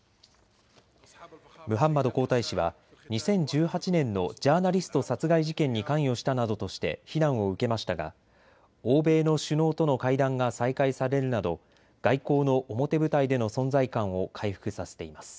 ムハンマド皇太子は２０１８年のジャーナリスト殺害事件に関与したなどとして非難を受けましたが欧米の首脳との会談が再開されるなど外交の表舞台での存在感を回復させています。